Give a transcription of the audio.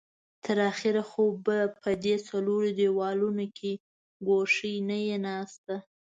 تر اخره خو به په دې څلورو دېوالو کې ګوښې نه يې ناسته.